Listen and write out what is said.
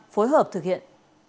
phối hợp thực hiện